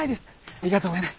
ありがとうございます。